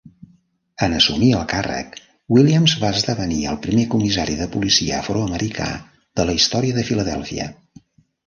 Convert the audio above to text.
En assumir el càrrec, Williams va esdevenir el primer comissari de policia afroamericà de la història de Filadèlfia.